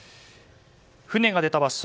船が出た場所